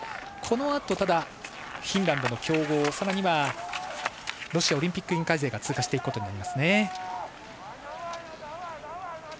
このあとフィンランドの強豪さらにロシアオリンピック委員会勢が通過していくことになりますね。